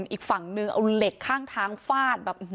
อีกฝั่งนึงเอาเหล็กข้างทางฟาดแบบ